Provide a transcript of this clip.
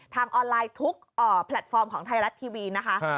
ทางออนไลน์ทุกแพลตฟอร์มของไทยรัฐทีวีนะคะ